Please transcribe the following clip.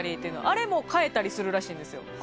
あれも買えたりするらしいんですよ。